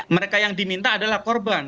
mereka yang diminta adalah korban